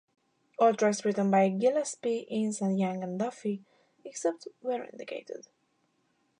All tracks written by Gillespie, Innes, Young and Duffy; except where indicated.